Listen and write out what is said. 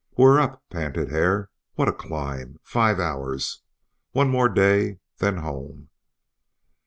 "We're up," panted Hare. "What a climb! Five hours! One more day then home!"